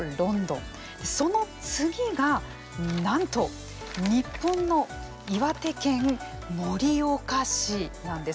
その次がなんと日本の岩手県盛岡市なんです。